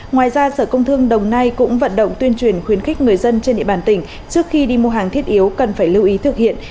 ngoài ra sở công thương đồng nai cũng vận động tuyên truyền khuyến khích người dân trên địa bàn tỉnh trước khi đi mua hàng thiết yếu cần phải lưu ý thực hiện